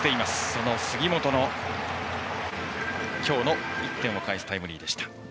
その杉本の今日の１点を返すタイムリーでした。